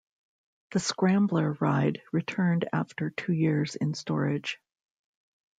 The Scrambler ride returned after two years in storage.